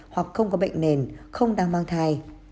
hoặc không có bệnh nền không đang mang thai